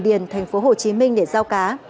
phương điền tp hcm để giao cá